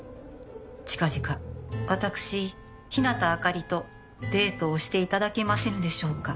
「近々私日向明里と」「デートをして頂けませぬでしょうか？」